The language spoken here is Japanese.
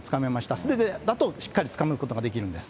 素手だとしっかりつかむことができるんです。